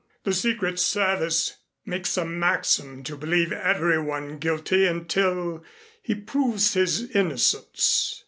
The Secret Service makes a maxim to believe everyone guilty until he proves his innocence."